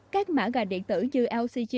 các mã ngành điện tử như lcg